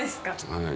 はい。